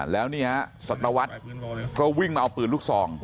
แล้วนี่ฮะสัตวรรษก็วิ่งมาเอาปืนลูกซอง